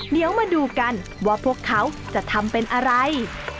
เดี๋ยวมาดูกันว่าพวกเขาจะทำเป็นอะไร